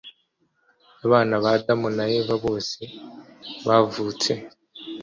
abana ba adamu na eva bose bavutse